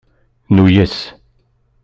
Nuyes.